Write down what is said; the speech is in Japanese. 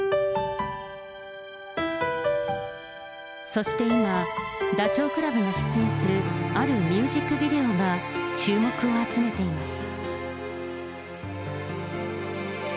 そして今、ダチョウ倶楽部が出演する、あるミュージックビデオが注目を集めています。